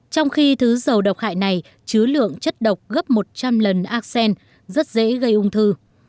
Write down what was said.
trong khi thứ dầu độc hại này chứa lượng chất độc gấp một trăm linh lần acen rất dễ gây ung thư